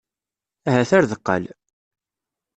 Ahat ar deqqal.